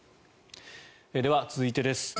では、続いてです。